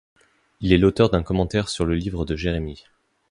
Il est l'auteur d'un commentaire sur le livre de Jérémie.